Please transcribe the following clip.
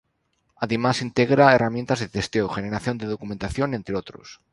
Además integra herramientas de testeo, generación de documentación, entre otros.